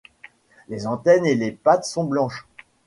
Les antennes et les pattes sont blanches.